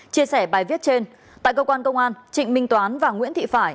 chia sẻ bài viết trên tại cơ quan công an trịnh minh toán và nguyễn thị phải